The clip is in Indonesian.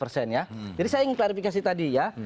jadi saya ingin klarifikasi tadi ya